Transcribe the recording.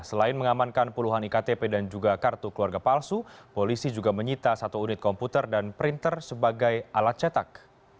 selain mengamankan puluhan iktp dan juga kartu keluarga palsu polisi juga menyita satu unit komputer dan printer sebagai alat cetak